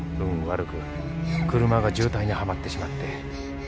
悪く車が渋滞にはまってしまって。